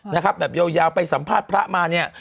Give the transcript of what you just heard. นะครับแบบยาวไปสัมภาษณ์พระมาเนี่ย